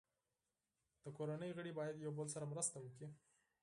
د کورنۍ غړي باید یو بل سره مرسته وکړي.